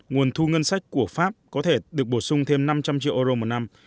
nguồn thu ngân sách của pháp có thể được bổ sung thêm năm trăm linh triệu euro một năm